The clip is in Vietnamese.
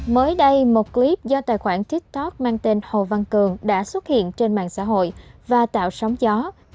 mới đây một clip do tài khoản tiktok mang tên hồ văn cường đã xuất hiện trên mạng xã hội và tạo sóng gió